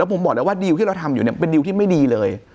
ผมบอกแล้วว่าดิวที่เราทำอยู่เนี่ยเป็นดิวที่ไม่ดีเลย